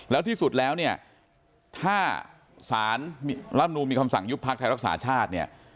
แล้วที่สุดแล้วถ้าสารรับนุมมีคำสั่งยุบพรรคไทยรักษาชาติ